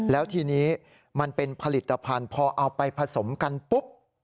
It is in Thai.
แล้วทีนี้มันเป็นผลิตภัณฑ์พอเอาไปผสมกันปุ๊บ